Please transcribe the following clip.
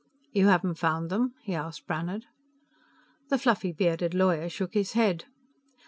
"You haven't found them?" he asked Brannhard. The fluffy bearded lawyer shook his head.